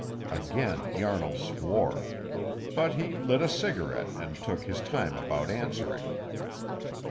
Again Yarnall swore. But he lit a cigarette and took his time about answering.